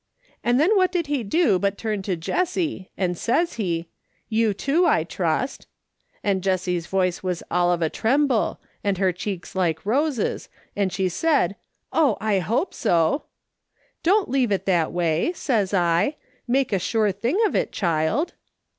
And then what did he do but turn to Jessie, and says he, ' You, too, I trust.' And Jessie's voice was all of a tremble, and her cheeks like roses, and she said, ' Oh, I hope so.' ' Don't leave it that way,' says I. ' ^lake a sure thing of it, child.'